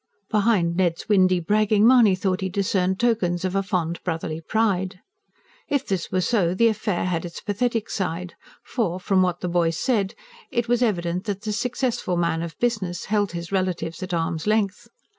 Behind Ned's windy bragging Mahony thought he discerned tokens of a fond, brotherly pride. If this were so, the affair had its pathetic side; for, from what the boy said, it was evident that the successful man of business held his relatives at arm's length.